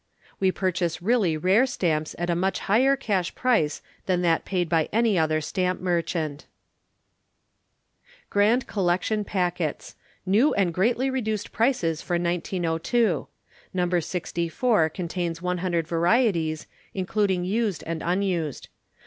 We purchase really Rare Stamps at a much higher Cash Price than that paid by any other Stamp Merchant. Grand Collection Packets. NEW AND GREATLY REDUCED PRICES FOR 1902. No. 64 CONTAINS 100 VARIETIES, Including used and unused.